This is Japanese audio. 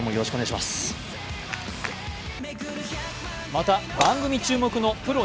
また番組注目のプロ